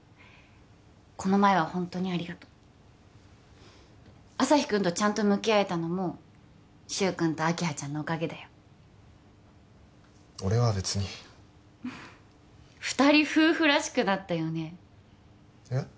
この前はホントにありがとう旭くんとちゃんと向き合えたのも柊くんと明葉ちゃんのおかげだよ俺は別に二人夫婦らしくなったよねえっ？